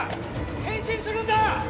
変身するんだ！